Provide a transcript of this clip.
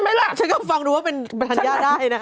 เออฉันก็ฟังดูว่าเป็นธัญญาได้นะใช่ไหมล่ะ